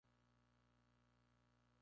Star City es el único casino legal en Sídney.